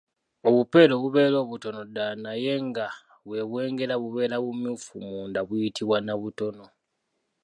Obupeera obubeera obutono ddala naye nga bwe bwengera bubeera bumyufu munda buyitibwa nnabutono.